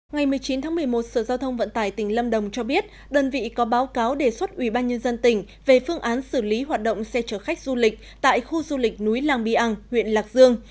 ngày một mươi chín tháng một mươi một sở giao thông vận tải tỉnh lâm đồng cho biết đơn vị có báo cáo đề xuất ủy ban nhân dân tỉnh về phương án xử lý hoạt động xe chở khách du lịch tại khu du lịch núi làng biàng huyện lạc dương